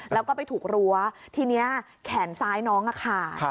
แล้วก็ไปถูกรั้วทีนี้แขนซ้ายน้องขาด